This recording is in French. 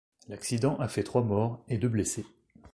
L'accident a fait trois morts et deux blessés.